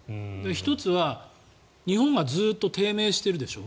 １つは、日本がずっと低迷しているでしょ。